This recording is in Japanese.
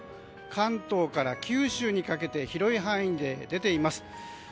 関東から九州にかけて広い範囲で出ています。